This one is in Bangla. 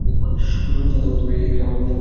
তাও এই এক সামান্য মধুকৈবর্তকে লইয়া।